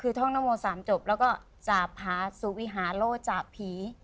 คือท่องนโม๓จบแล้วก็จาบหาสุวิหาโลจาบผี